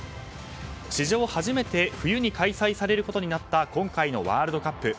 史上初めて冬に開催されることになった今回のワールドカップ。